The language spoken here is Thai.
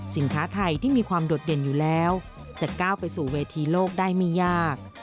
สินค้าไทยที่มีความโดดเด่นอยู่แล้วจะก้าวไปสู่เวทีโลกได้ไม่ยาก